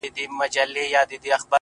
شراب ترخه ترخو ته دي، و موږ ته خواږه،